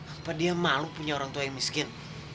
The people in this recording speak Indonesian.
apa dia malu punya orang tua yang miskin